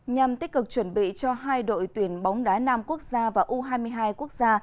nhằm tích cực chuẩn bị cho hai đội tuyển bóng đá nam quốc gia và u hai mươi hai quốc gia